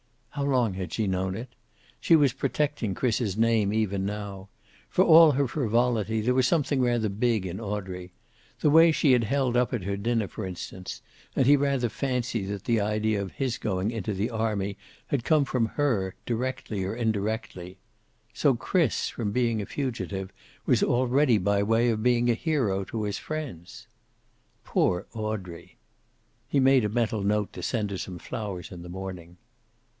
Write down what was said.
How long had she known it? She was protecting Chris's name, even now. For all her frivolity, there was something rather big in Audrey. The way she had held up at her dinner, for instance and he rather fancied that the idea of his going into the army had come from her, directly or indirectly. So Chris, from being a fugitive, was already by way of being a hero to his friends. Poor Audrey! He made a mental note to send her some flowers in the morning.